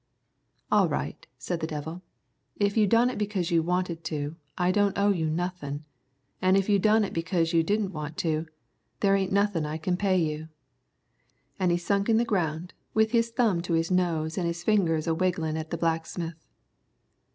'All right,' said the devil; 'if you done it because you wanted to, I don't owe you nothin', an' if you done it because you didn't want to, there ain't nothin' I can pay you.' An' he sunk in the ground, with his thumb to his nose an' his fingers a wigglin' at the blacksmith."